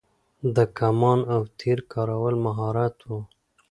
د کمان او تیر کارول مهارت و